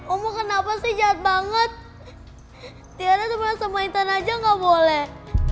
oma kenapa sih jahat banget tiana cuma sama intan aja nggak boleh